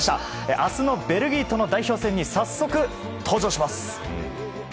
明日のベルギーとの代表戦に早速登場します。